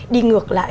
đi ngược lại